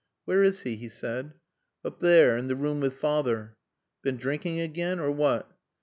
"Where is he?" he said. "Oop there, in t' room wi' 's feyther." "Been drinking again, or what?"